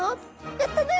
やったよ。